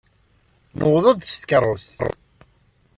Nuweḍ-d s tkeṛṛust.